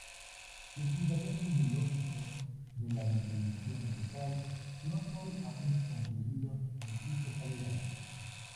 Los fundamentos biológicos de la visualización mental no son aún comprendidos en su totalidad.